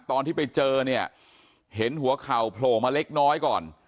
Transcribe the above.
ตอนที่ไปเจอเนี่ยเห็นหัวเข่าโผล่มาเล็กน้อยก่อน